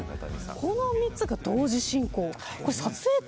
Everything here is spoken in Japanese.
この３つが同時進行です。